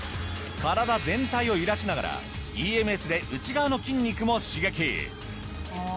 体全体を揺らしながらＥＭＳで内側の筋肉も刺激。